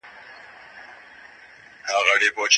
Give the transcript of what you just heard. نوي علوم اوس ټولو ته نږدې دي.